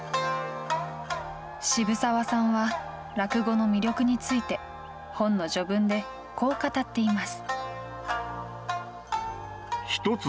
渋沢さんは落語の魅力について本の序文で、こう語っています。